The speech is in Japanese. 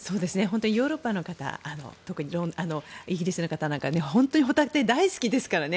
ヨーロッパの方特にイギリスの方なんかは本当にホタテが大好きですからね